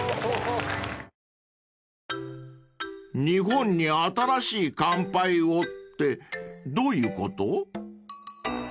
［「日本に、新しい乾杯を。」ってどういうこと？］